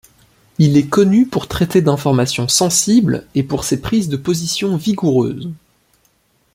Il est connu pour traiter d’informations sensibles et pour ses prises de position vigoureuses.